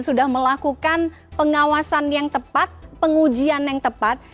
sudah melakukan pengawasan yang tepat pengujian yang tepat